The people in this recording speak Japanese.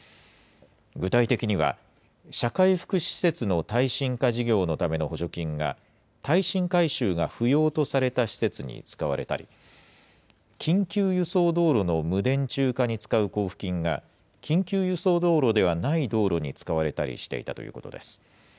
具体的には、社会福祉施設の耐震化事業のための補助金が、耐震改修が不要とされた施設に使われたり、緊急輸送道路の無電柱化に使う交付金が、緊急輸送道路ではない道路に使われたりしていたということです。